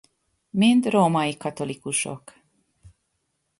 Mind római katolikusok.